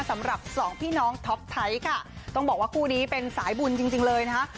สำหรับสองพี่น้องท็อปไทยค่ะต้องบอกว่าคู่นี้เป็นสายบุญจริงจริงเลยนะคะ